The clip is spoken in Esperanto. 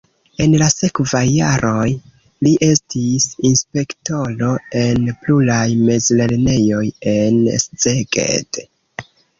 En la sekvaj jaroj li estis inspektoro en pluraj mezlernejoj en Szeged.